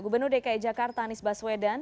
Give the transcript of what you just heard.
gubernur dki jakarta anies baswedan